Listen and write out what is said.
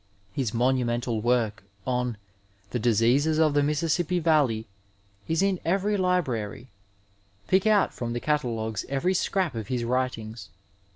His monmnental work on The Diseofes of the Mississippi Vcdley is in every library ; pick out from the catalogaes every scrap of his writings.